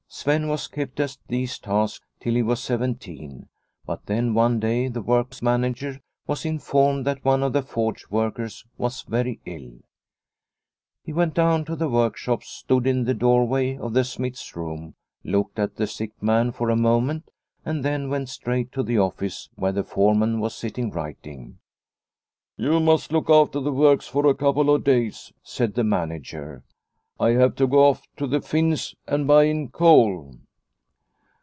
Sven was kept at these tasks till he was seventeen, but then one day the works manager was informed that one of the forge workers was very ill. He went down to the workshops, stood in the doorway of the smith's room, looked at the sick man for a moment, and then went straight to the office where the foreman The Smith from Henriksberg 163 was sitting writing. " You must look after the works for a couple of days," said the manager. " I have to go off to the Finns and buy in coal."